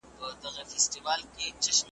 مساپري بده بلا ده